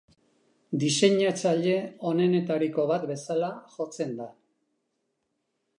Diseinatzaile onenetariko bat bezala jotzen da.